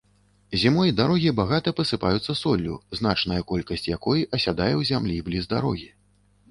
Зімой дарогі багата пасыпаюцца соллю, значная колькасць якой асядае ў зямлі бліз дарогі.